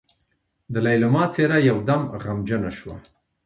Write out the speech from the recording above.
د ليلما څېره يودم غمجنه شوه.